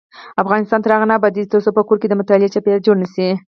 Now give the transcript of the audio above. افغانستان تر هغو نه ابادیږي، ترڅو په کور کې د مطالعې چاپیریال جوړ نشي.